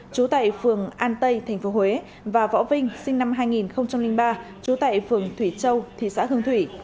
trú tại phường an tây tp huế và võ vinh sinh năm hai nghìn ba trú tại phường thủy châu thị xã hương thủy